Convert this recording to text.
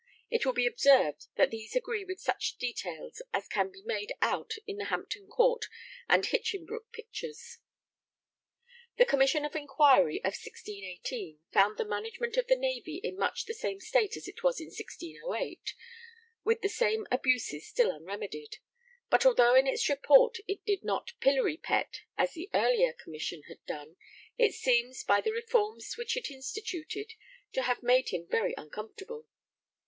It will be observed that these agree with such details as can be made out in the Hampton Court and Hinchinbrook pictures. [Sidenote: The Commission of 1618.] The Commission of Inquiry of 1618 found the management of the Navy in much the same state as it was in 1608, with the same abuses still unremedied. But although in its Report it did not pillory Pett as the earlier Commission had done, it seems, by the reforms which it instituted, to have made him very uncomfortable.